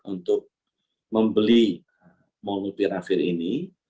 untuk membeli molupirafir ini